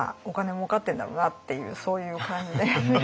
もうかってんだろうな」っていうそういう感じで見られて。